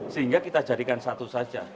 sehingga kita jadikan satu saja